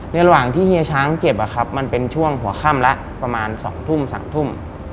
ระหว่างที่เฮียช้างเก็บมันเป็นช่วงหัวค่ำละประมาณ๒ทุ่ม๓ทุ่ม